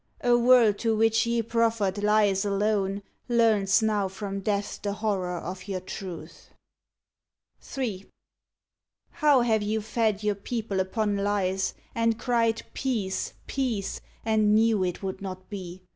A world to which ye proffered lies alone Learns now from Death the horror of your truth. 132 ON THE GREAT WAR III How have you fed your people upon lies, And cried "Peace! peace!" and knew it would not be